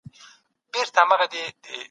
ځینې کورنۍ د مرستې مننه کوي.